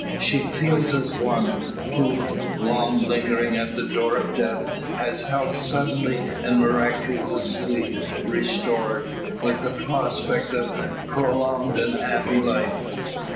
She feels as one, who, long lingering at the door of death, has health suddenly and miraculously restored, with the prospect of a prolonged and happy life.